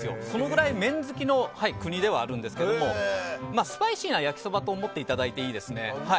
そのくらい麺好きの国ではあるんですけどもスパイシーな焼きそばと思っていただいていいですね。